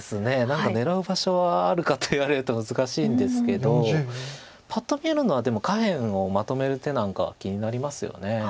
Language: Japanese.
何か狙う場所はあるかと言われると難しいんですけどパッと見えるのはでも下辺をまとめる手なんかは気になりますよね。